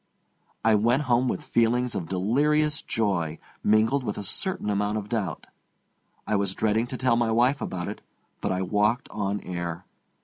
I went home with feelings of delirious joy, mingled with a certain amount of doubt. I was dreading to tell my wife about it. But I walked on air.